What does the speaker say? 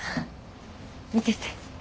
見てて。